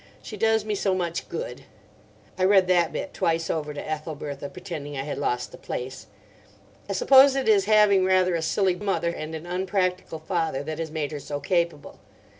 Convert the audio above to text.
She does me so much good. (I read that bit twice over to Ethelbertha, pretending I had lost the place.) I suppose it is having rather a silly mother and an unpractical father that has made her so capable.